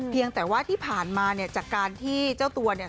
เพียงแต่ว่าที่ผ่านมาเนี่ยจากการที่เจ้าตัวเนี่ย